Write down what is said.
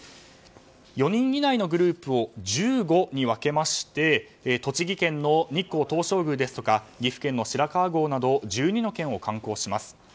４人以内のグループを１５に分けまして栃木県の日光東照宮ですとか岐阜県の白川郷など１２の県を観光します。